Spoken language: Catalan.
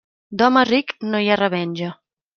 D'home ric no hi ha revenja.